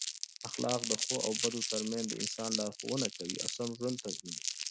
اخلاق د ښو او بدو ترمنځ د انسان لارښوونه کوي او سم ژوند تضمینوي.